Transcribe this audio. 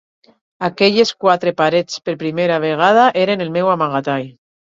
Aquelles quatre parets per primera vegada eren el meu amagatall.